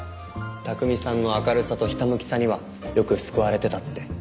拓海さんの明るさとひたむきさにはよく救われてたって。